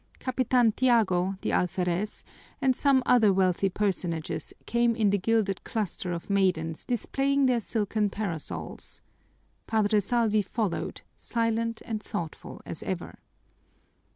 Capitan Tiago, the alferez, and some other wealthy personages came in the gilded cluster of maidens displaying their silken parasols. Padre Salvi followed, silent and thoughtful as ever.